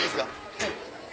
はい。